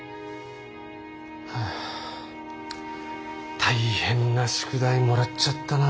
ああ大変な宿題もらっちゃったな。